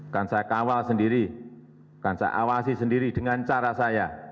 kan saya kawal sendiri kan saya awasi sendiri dengan cara saya